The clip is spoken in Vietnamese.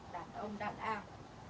đàn ông đàn ao